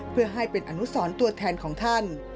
เพื่อให้เป็นอนุสรตัวแทนของท่าน